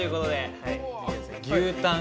牛タン